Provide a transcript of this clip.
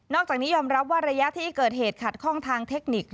จากนี้ยอมรับว่าระยะที่เกิดเหตุขัดข้องทางเทคนิค